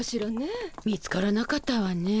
見つからなかったわね。